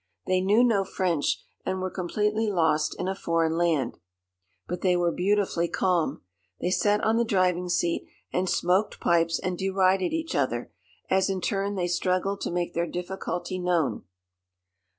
They knew no French and were completely lost in a foreign land. But they were beautifully calm. They sat on the driving seat and smoked pipes and derided each other, as in turn they struggled to make their difficulty known.